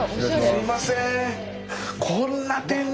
すいません。